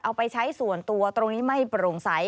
เอาไปใช้ส่วนตัวตรงนี้ไม่โปร่งใส